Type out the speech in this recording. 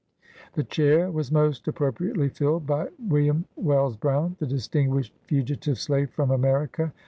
92 BIOGRAPHY OF The chair was most appropriately filled by Wm. Wells Brown, the distinguished fugitive slave from America.